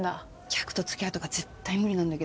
客とつきあうとか絶対無理なんだけど。